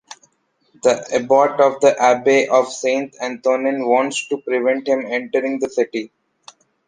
The abbot of the abbey of Saint-Antonin wants to prevent him entering the city.